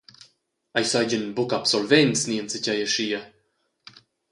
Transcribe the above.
Ei seigien buca absolvents ni enzatgei aschia.